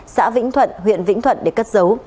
xã vĩnh thuận huyện vĩnh thuận để cất giấu